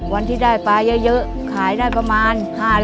วันที่ได้ปลาเยอะขายได้ประมาณ๕๐๐